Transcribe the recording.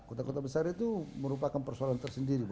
kota kota besar itu merupakan persoalan tersendiri